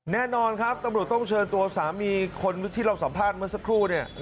แน่นอนครับตำรวจต้องเชิญตัวสามีคนที่เราสัมภาษณ์เมื่อสักครู่เนี่ย